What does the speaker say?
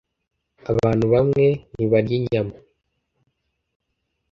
Abantu bamwe ntibarya inyama